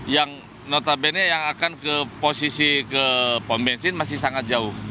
yang notabene yang akan ke posisi ke pom bensin masih sangat jauh